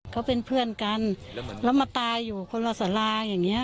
เขาเป็นเพื่อนกันแล้วมาตายอยู่คนละสาราอย่างนี้